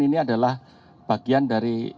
ini adalah bagian dari